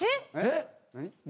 えっ？